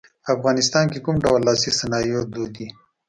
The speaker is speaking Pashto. په افغانستان کې کوم ډول لاسي صنایع دود دي.